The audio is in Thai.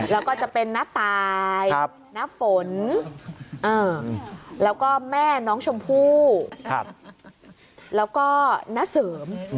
แล้วก็จะเป็นน้าตายน้าฝนแล้วก็แม่น้องชมพู่แล้วก็ณเสริม